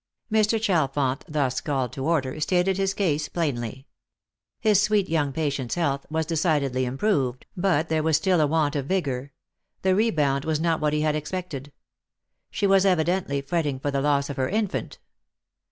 Mr. Chalfont, thus called to order, stated his case plainly. His sweet young patient's health was decidedly improved, but there was still a want of vigour. The rebound was not what he had expected. She was evidently fretting for the loss of her infant.